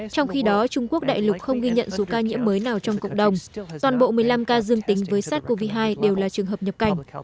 trong khi đó trung quốc đại lục không ghi nhận số ca nhiễm mới nào trong cộng đồng toàn bộ một mươi năm ca dương tính với sars cov hai đều là trường hợp nhập cảnh